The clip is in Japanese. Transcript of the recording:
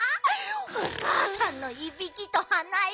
おかあさんのいびきとはないき